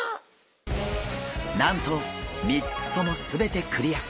なんと３つとも全てクリア！